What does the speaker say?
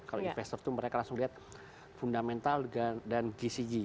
kalau investor itu mereka langsung lihat fundamental dan gcg